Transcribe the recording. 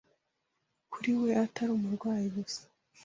kuri we atari umurwayi gusa